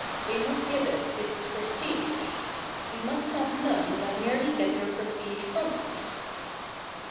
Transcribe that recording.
They must give it ii^ prestige. We must have none that merely get their prestige from it.'